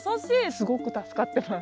すごく助かってます。